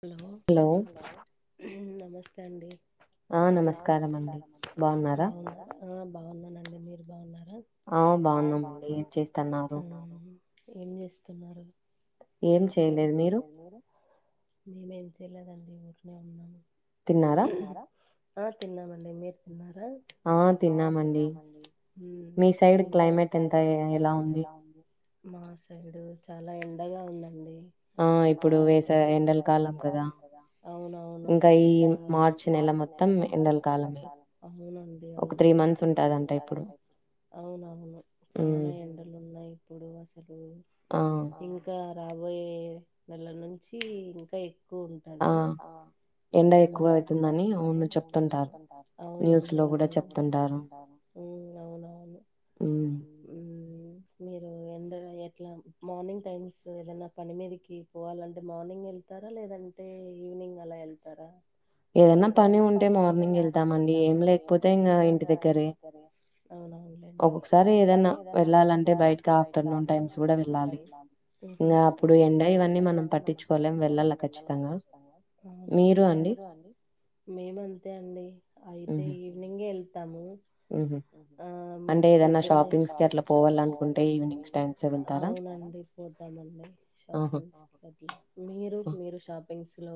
hello నమస్తే అండి ఆ నమస్కార మ బాగు బాగున్నానండి మీరు బాగున్నారు అవు బాగున్నా చె ఏం చేస్తున్నారు ఏం చేయలేదు మీరు మేమ ఏం చేయలేదండి ఊరినే ఉన్నాము తిన్నారా ఆ తిన్నామండి మీరు తిన్నారు ఆ తిన్నామండిడ్ క్లైమేట్ ఎంత ఎలా ఉంది మా సైడు చాలా ఎండగా ఉందండి ఆ ఇప్పుడు వేస ఎండలు లం కా అవునవును ఇడ మార్ నెల మొత్తంలాలం అవునండి అవును త్రీ మంత్స్ ఉంటంట అవునవును చాల ఎండలు ఉన్నాయి ఇప్పుడు అసలు ఇంకా రాబోయే నెల నుంచి ఇకాయి ఎక్కువ ఉంటది ఆ ఎలా ఎక్కువ అవుతుందని అవును చెప్తుంటారు అవునండి అవును కూడా చెప్తుంటారు అవునవును మీరు ఎ ఎట్లా మార్నింగ్ టైమ్స్ ఏదనా పని మీదకి పోవాలంటే మార్నింగ్ వె వెతారా లేదంటే ఈవినింగ్ అలా వెళ్తారా ఏదన్నా పని ఉంటే మార్నింగ్ వెళ్తామండి ఏం లేకపోతయి ఇంటి దగ్గర అవునండి ఒక్కసారి ఏదనా వెళ్ళాలంటే బయట ఆఫ్టర్నూన్ై కూడా వెళ్ళాలి ఇం అప్పుడు ఎ ఇవన్నీ మనం పట్టించుకోలేము వెళ్ళాల ఖచ్చితంగా నరు అండి మేముంతే అండి అయితే ఈవినింగ్ వెళ్తాము ఆవాల అవునండి పోతామండి షాపింగ్ట్లా మీరు మీరు షాపింగ్స్ లో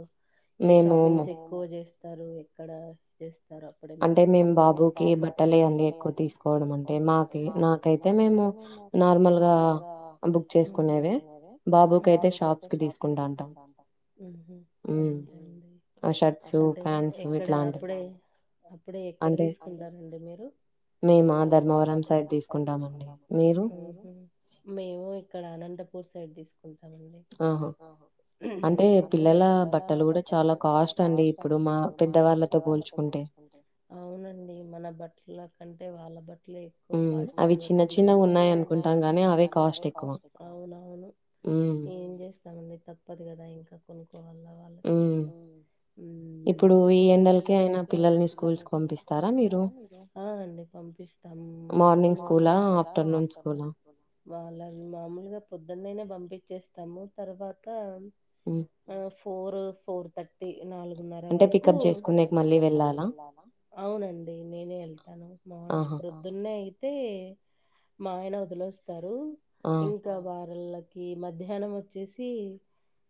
ఏ షాపింగ్స్ ఎక్కువ చేస్త తరు ఎక్కడ చేస్ అంటే మేము బాబుకి బట్టలు ఆయనీ ఎక్కువ తీసుకోవడంట మాకి మాకైతే మేము నార్మల్ గా బుక్ చేసుకునేది బాబుకి అయితే షాప్లో తీసుకుంటా ఉంటా ఉమ్ ఎక్కడ అప్పుడే అప్పుడు ఎక్కడ తీసుకుంటారండి మీరు మేము ధర్మవరం సైడ్ తీసుకుంటామండి మేము ఇక్కడ అనంత పుర సైడ్ తీస్ ఆహా అంటే పిల్లల బట్టలు కూడా చాలా కాస్ట్ అండి అండి ఇప్పుడు మా పెద్దవాళ్ళతో పోల్చుకుంటే అవునండి మన బట్లక అంటే వాళ్ళ బ టేల్ ఎక్కువ కాస్ట్ అయిపోతున్నాయి అవునవును ఏం చెస్ మండి తప్పదు కదా ఇంకా కొను ఉమ్ ఉమ్ ఆ అండి పంపిస్తాం మార్నింగ్ వాలన్ మామూలుగా పొద్ న్నైనా పంపించేస్తాము తర్వాత ఆ ఫోరు ఫోర్ థర్టీ నాలుగ్ గున్నర వరకుకు అవునండి నేనే వెళ్తాను మోర్ ప్రొద్దున్నే అయ్ అయితే మా ఆయన వదిలోస్తారు రు ఇంకా బార్ల కి మధ్యాహ్నం వచ్చేసి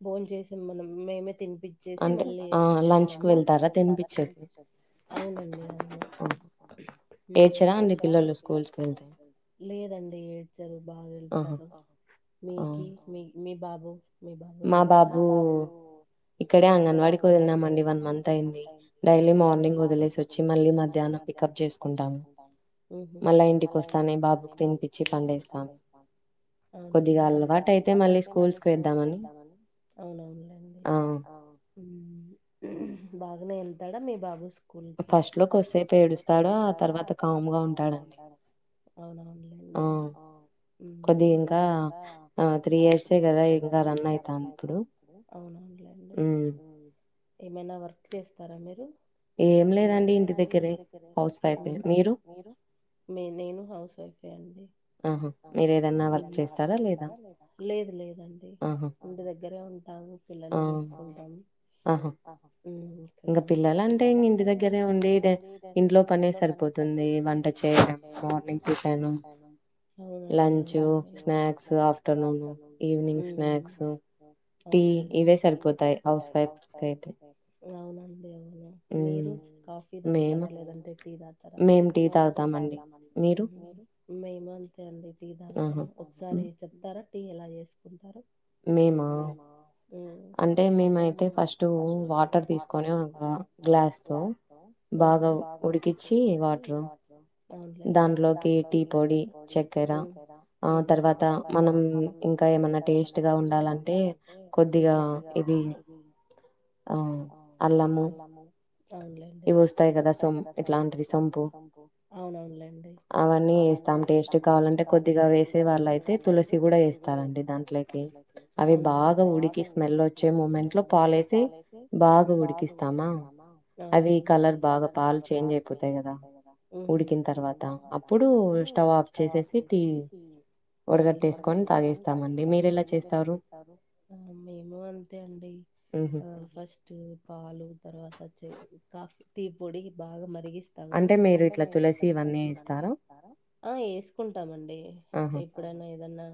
బొంచెస్ మనం మేమే తినిపి సి మళ్ళీ వచ్చేసాము అవునండి అవును ఉమ్ లేదండి దరు బాగా వెళ్తారు మీకీ మీ మీ బాబ్ వో మీ బాబు వెళ్తారా అవునా అక్కడే అంగన్వాడికి వదిల్నం అండి వన్ మంత్ అయింది డైలీ మార్నింగ్ వదిలేసి వచ్చి మళ్ళీ మధ్యా్నం పికప్ చేసుకుంటా మళ్ళా ఇంటికి వస్తా బాబు తినిపచ్చి పండేస్త కొద్దిగా అలవాటు అయితే మళ్ళీ స్కూల్స్ క వద్దామని అవునవునులేండి ఉమ్ హు బాగానే వెళ్తాడా మీ బాబు స్ స్కూల్ కి అవునవునులెండి ఉమ్ అవునవును లెండి ఏమైనా వర్క్ చేస్తారా మీరు ఉహు నేను హౌస్ వైఫ్ చేయండి ఉహుం లేద్ లేదండి ఇంటికి దగ్గరే ఉంటాను పిల్లల్ నీ చూసుకుంటాం ఆహా ఉమ్ ఇక్కడే ఉంటారు పిల్లల అంటే ఇంటి దగ్గరే ఉంది ఇంట్లో పని సరిపోతుంది వంట చేయడం మార్నింగ్ టిఫిన్ అవునండి అవునండి lunch snacks afternoon um snacks అవునండి ఇవే సరిపోతాయి అవునండి అవును మీరు కాఫీ తాగుతారా లేదంటే టీ తాగుతారా మేం టీ తాగుతామండి మీరు మేము అం తే అండి టీ తాగుతాం ఒకసారి చెప్తారా టీ ఎలా చేసుకుంటారు మేమా అంటే మేమైతే మేమైతే ఫస్ట్ వాటర్ తీసుకుని ఉంట గ్లాస్ తో ఉహూ బాగా ఉడికించి వాటర్ అవునులేండి దాంట్లోకి టీ పొడి ఉమ్ చక్కర ఉహూ దాని తర్వాత మన ఇంకా ఏమ గా ఉండాలంటే కొద్దిగా ఇది ఇది ఆ అల్లము అవునులేండి ఇవి వస్తాయి కదా సోంప్ ఇట్లా సోంపు అవునవునులేండి అవన్నీ వేస్తాం టేస్ట్ కావాలంటే కొద్దిగా వేసే వాళ్ళయితే తులసి కూడా వేస్త రండి దాంట్లోకి అవునులేండి అవి బాగా ఉడికి స్మెల్ వచ్చే మూమెంట్ లో పాలేసి బాగా ఉడికిస్తామా అవునులేండి ఉహూ అవునులేండి మేము అంతే తే అండి ఆ ఫస్ట్ పాలు తర్వాత కాఫీ టీ పొడి బాగా మరిగి స్తము అంటే మీరు ఇట్ల తులసి ఇవన్నీ వేస్తారా ఆ వేసుకుంటా మండి ఎప్పుడైనా ఏదన్నా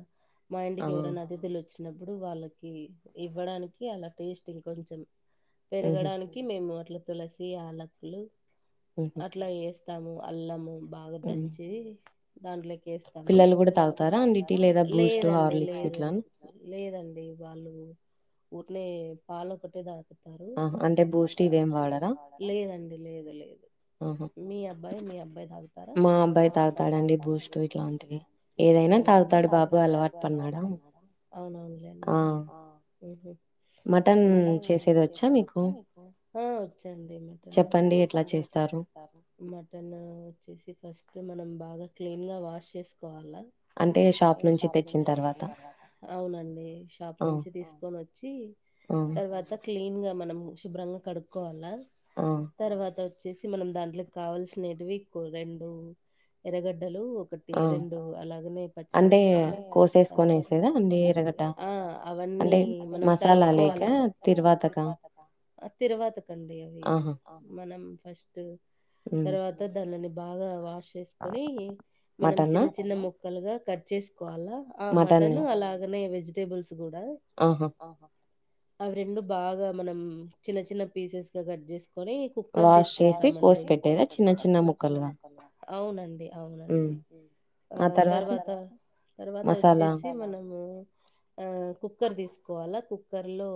మా ఇంటికి ఎవరైనా అతిథులు వచ్చ విన్నపుడు వాళ్ళకి ఇవ్వడానికి ఎలా టేస్టింగ్ కొంచెం పెరగడానికి మేము అట్ల తులసి యాలకులు అట్లా వేస్త ము అల్లము బాగా ధరించిది దాంట్లోకి వేస్తాము పిల్లలు కూడా తాగుతారా అండి లేదండి లేదు లేదండి వాళ్ళు ఊర్లే పాలు ఒకటే తాగుతారు లేదండి లేదు లేదు మీ అబ్బాయి మీ అబ్బాయి తాగుతారా మా అబ్బాయి తాగుతారండి బూస్ట్ ఇలాంటివి ఏదైనా తాగుతారు బాబు అలవాటు పడినాడు అ అవునవునులేండి ఉహూ మటన్ చేసేది వచ్చా మీకు ఆ వచ్చు అండి ముటను చెప్పండి ఎట్ల చేస్తారు మటన్ వచ్చేసి ఫస్ట్ మనం బాగా క్లీన్ గా వాష్ చేసుకోవాలా అంటే షాప్ నుంచి తెచ్చిన తర్వాత అవునండి షాప్ నుంచి తీసుకొని వచ్చ తర్వాతా క్లీన్ గా మనం శుభ్రంగా కడుక్కోవాలా తర్వాత వ వచ్చసి మనం దాంట్లోకి కావాల్సినవి రెండు ఎరగడ్ లు ఒకటి రెండు అలాగనే పచ్చిమిరకా అవన్నీ మనం తరు తరువా తిరువాతకండి అవి మనం ఫస్ట్ తర్వాత దాని బాగా వాష్ చేసుకొని మనం చిన్న చిన్న మొక్ కల్గా కట్ చేసి వాల ఆ మటన్ అలాగనే వెజ్ టేబుల్స్ గూడా అవి రెండు బాగా మనం చిన్న చిన్న పీసెస్ గా కట్ చేసుకు కోని కుక్కర్ తీసుకుంటామండి అవునండి అవునండి ఆ తర్వాత తర్వాత వచ్చేసి మనము అ కుక్కర్ తీసు కోలా కుక్కర్ లో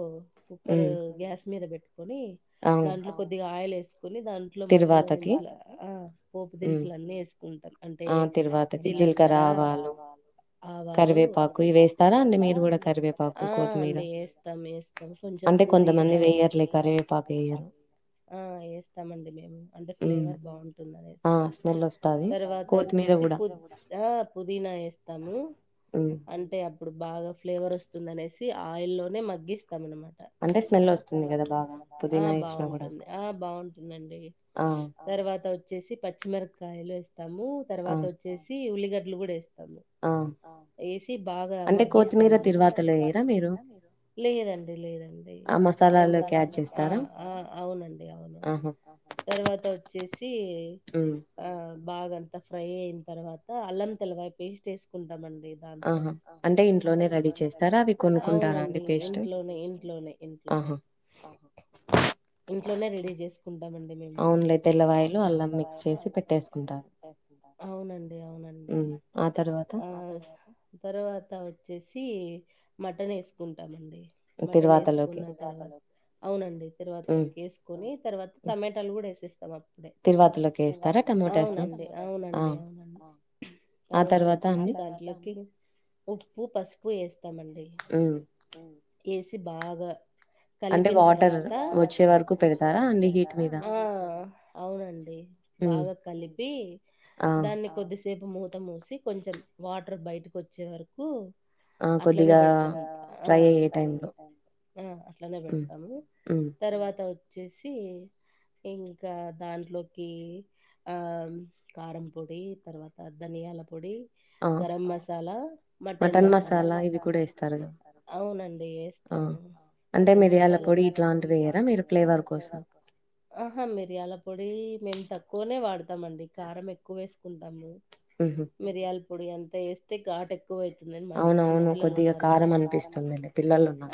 కుక్కరు గ్యాస్ మీద బెట్ కోని దాంట్లో కొద్దిగా ఆయల్ వేస్ కుని దాంట్లో మసాలా దినుసులు ఆ పోపు దినుసులు అన్ని వేసుకుంటాం అంటే జీలకర ఆవాలు ఆ అండి వేస్తాం వేస్తాం కొంచెం పుదీనా ఆ వేస్తాం అండి అంటే ఫ్లేవర్ బాగుంటుందనేసి తర్వాత వచ్చేసి పు పుదీనా వేస్తాము అంటే ఇప్పుడు బాగా ఫ్లేవర్ వస్తుంది అనేసి ఆయిల్లోనే మగ్గిస్త బాగుంటుంది ఆ బాగుంటుందండి తర్వాత వ వచ్చేసి పచ్చిమిరకాయలు వస్తా మ తర్వాత వచ్చేసి ఉలికి గడ్లు కూడా వస్తా వేసి బాగా మగ్గిస్తాం లేదండి లేదండి మేము అలా అనా ఆ ఆ అవునండి అవును తర్వాత వచ్చేసి ఆ బాగా అంత ఫ్రై అయిన తర్వాత అల్లం తెల్లవాయి పేస్ట్ వేసుకుంటాండి దాంట్లో అంటే ఇంట్లోనే రడీ చేసు అవునండి ఇంట్లోనే ఇంట్లోనే ఇంట్లోనే ఇంట్లోనే రెడీ చేసుకుంట అండీ మేము అవును తెల్లవాయిలు అల్లం [inaudible] అవునండి అవునండి ఆహా తర్వాత వచ్చేసి సి మటన్ వేసుకుంటామండి మటన్ వేసుకున్న తర్వాత అవునండి తరువాతలోకి వేసుకొని తర్వాత టమటాలు కూడా వేసేస్తాం అప్పుడే అవునండి అవునండి అవునండి తర్వాత వచ్చేసి దాంట్లోకి ఉప్పు పసుపు వేస్తామండి ఊ ఎసి బాగా కలిపిన తర్వాత వాటర్ వచ్చే వరకు పెడతారా ఆహా అవునండి బాగా కలిపి దాన్ని కొద్దిసె సేపు మూత మూసి కొంచెం వాటర్ బయటకు వచ్చే వరకు ఆ కొద్దిగా గంగా ఆహా ఐనాహు అట్లానే పెడతాము తర్వాత వచ్చేసి ఇంకా దాంట్లోకి హా కారంపొడి తర్వాత ధనియాల పొడి గరం మసాలా మటన్ మసాలా మసాలా [inaudible] వేస్తారాఅవునండి ఎస్తాము మటన్ మసాలా మిరియాల పొడి వెయ్యరా మీరు ఆహా మిరియాల పొడి మేము తక్కువనే వాడుత వేస్తామండి కారం ఎక్కువ వేసుకుంటాము మీరియాలు పో పోడి అంత ఎస్తే గాటు ఎ ఎక్కువవుతుందని మా ఇట్లో చిన్న పిల్లలు ఉన్నారు గదా ఆహా నార్మల్గా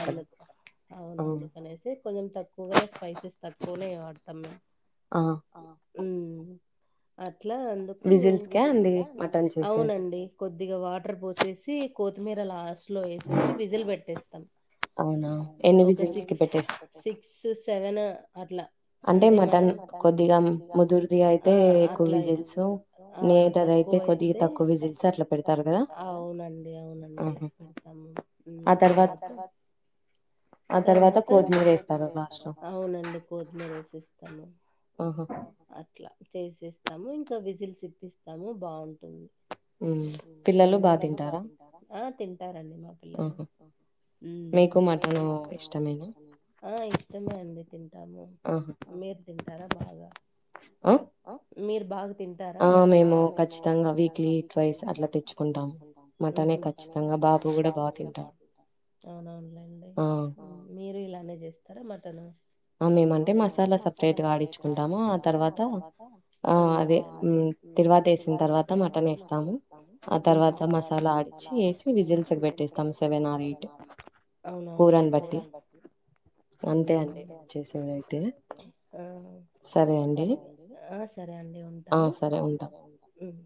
అందుకె అవును అందుకనేసి కొంచం తక్కువగానే స్పైసెస్ తక్కువ వాడతాం మేము ఊ ఆ అట్లా ఆదుకు విజిల్స్ కా ఆ అవునండి కొద్దిగా వాటర్ పోసేసి సి కొత్తిమీరా లాస్ట్ టోలు వేసెసి వీజిల్ పెటేస్తాఒక సిక్స్ సిక్స్ సెవెన్ అట్లా అంటే మనం కొద్దిగా అట్లా తక్కువయితే అ అవునండి అవునండి పెడతాము తర్వాత తర్వాత అవునండి కో మర సిస్టము ఓహ అట్లా చేసేస్తాము ఇంకా విజిల్ విప్పిస్తాము బాగుంటుంది పిల్లలు బాగా తింటార తింటారండి ఇష్టమే అండి తింటాము మీరు తింటారా బాగా మీరుబాగ్ తింటార మటన్ అవుననులేండి మీరూ ఇలానే చేస్తారా మటన్ ఆ మేమంటే మసాలా సపరేట్గా ఆడిచ్చుకుంటాము ఆ తర్వాత తిరువాత వేసిన తర్వాత మటన్ వేస్తాము ఆ తర్వాత మసాలా ఆడ్ [inaudible] అవునవునులేండి ఉమ్ ఊ ఆ సరే అండి ఉంటాను ఉమ్